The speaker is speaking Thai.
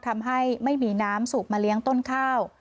ทำให้ไม่มีน้ำสูบมาเลี้ยงต้นข้าว